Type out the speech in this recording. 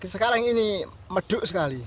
sekarang ini meduk sekali